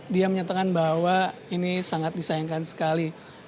dia menyatakan bahwa ini sangat disayangkan sekali